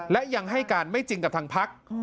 และยังให้การไม่จริงกับทางพัก